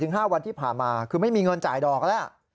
แต่ระยะ๔๕วันที่ผ่านมาคือไม่มีเงินจ่ายดอกหล่ะ